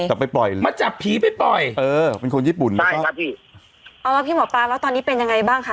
จับผีไม่ปล่อยเออเป็นคนญี่ปุ่นใช่ครับพี่เอาแล้วพี่หมอปลาแล้วตอนนี้เป็นยังไงบ้างค่ะ